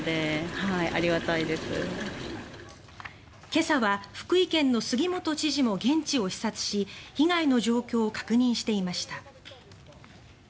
今朝は福井県の杉本知事も現地を視察し被害の状況を確認していました。